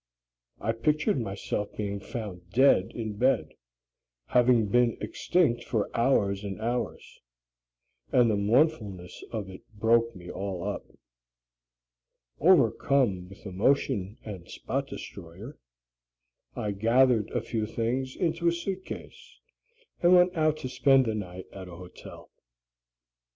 I pictured myself being found dead in bed, having been extinct for hours and hours, and the mournfulness of it broke me all up. Overcome with emotion and spot destroyer, I gathered a few things into a suitcase and went out to spend the night at a hotel.